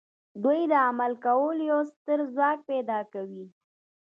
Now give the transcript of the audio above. دوی د عمل کولو یو ستر ځواک پیدا کوي